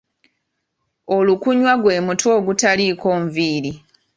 Olukuunwa gwe mutwe ogutaliiko nviiri.